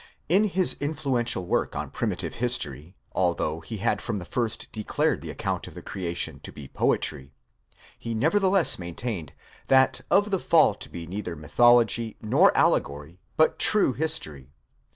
In his influential work on primi tive history,® although he had from the first declared the account of the crea tion to be poetry, he nevertheless maintained that of the fall to be neither mythology nor allegory, but true history.